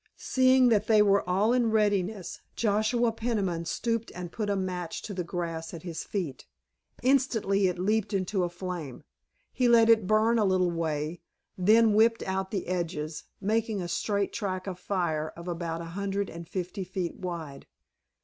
Seeing that they were all in readiness Joshua Peniman stooped and put a match to the grass at his feet. Instantly it leaped into a flame. He let it burn a little way, then whipped out the edges, making a straight track of fire of about a hundred and fifty feet wide.